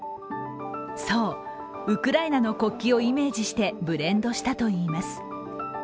そう、ウクライナの国旗をイメージしてブレンドしたといいます。